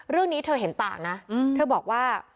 เรื่องนี้เธอเห็นต่างนะเธอบอกว่า